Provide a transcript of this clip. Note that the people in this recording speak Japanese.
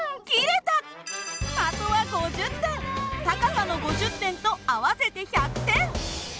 高さの５０点と合わせて１００点。